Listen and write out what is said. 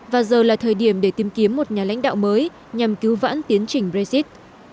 và giờ là thời điểm để tìm kiếm một nhà lãnh đạo mới nhằm cứu vãn tiến trình brexit